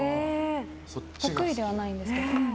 得意ではないんですけど。